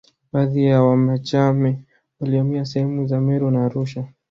Baadhi ya Wamachame walihamia sehemu za Meru na Arusha